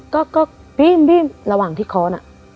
ก็ก็บีมบีมระหว่างที่ค้อนอะ